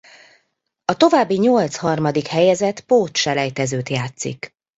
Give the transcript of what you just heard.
A további nyolc harmadik helyezett pótselejtezőt játszik.